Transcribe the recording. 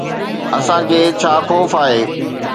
اسان کي ڇا خوف آهي؟